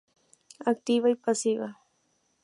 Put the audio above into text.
Activa y pasiva.